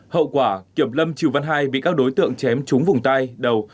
hậu quả kiểm lâm triều văn hai bị các đối tượng chém trúng vùng tay đầu